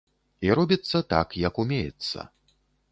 І робіцца так, як умеецца.